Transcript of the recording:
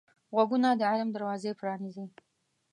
غوږونه د علم دروازې پرانیزي